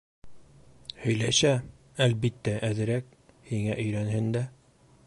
Һөйләшә, әлбиттә, әҙерәк һиңә өйрәнһен дә...